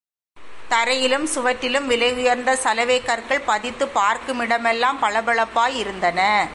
தரையிலும் சுவற்றிலும் விலை உயர்ந்த சலவைக் கற்கள் பதித்துப் பார்க்கும் இடமெல்லாம் பளபளப்பாய் இருந்தன.